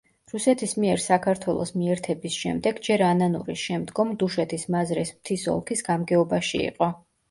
რუსეთის მიერ საქართველოს მიერთების შემდეგ ჯერ ანანურის, შემდგომ დუშეთის მაზრის მთის ოლქის გამგეობაში იყო.